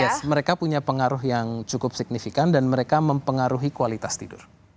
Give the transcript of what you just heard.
yes mereka punya pengaruh yang cukup signifikan dan mereka mempengaruhi kualitas tidur